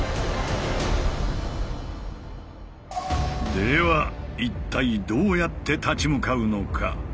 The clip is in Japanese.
では一体どうやって立ち向かうのか？